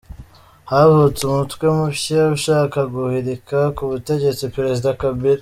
Havutse umutwe mushya ushaka guhirika ku butegetsi Perezida Kabila